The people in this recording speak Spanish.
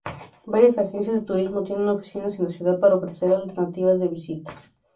Varias agencias de turismo tienen oficinas en la ciudad para ofrecer alternativas de visitas.